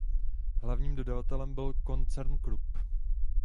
Hlavním dodavatelem byl koncern Krupp.